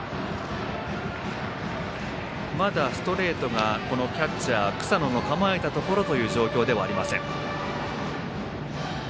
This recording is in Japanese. まだストレートがこのキャッチャー草野の構えたところという状況ではありません。